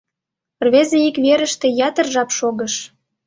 Рвезе ик верыште ятыр жап шогыш.